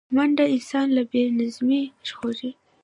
منډه انسان له بې نظمۍ ژغوري